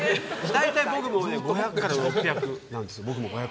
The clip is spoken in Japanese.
大体、僕も５００から６００なんですよ。